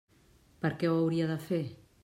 Per què ho hauria de fer?